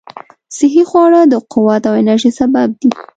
صحي خواړه د قوت او انرژۍ سبب دي.